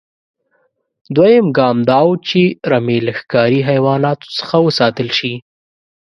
دویم ګام دا و چې رمې له ښکاري حیواناتو څخه وساتل شي.